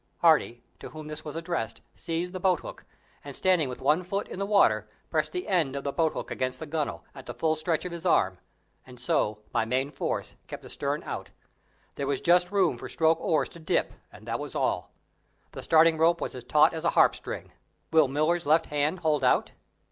Hardy, to whom this was addressed, seized the boat hook, and, standing with one foot in the water, pressed the end of the boat hook against the gunwale, at the full stretch of his arm, and so, by main force, kept the stern out. There was just room for stroke oars to dip, and that was all. The starting rope was as taut as a harp string; will Miller's left hand hold out?